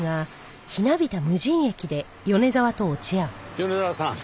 米沢さん。